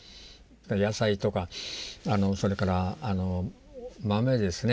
野菜とかそれから豆ですね。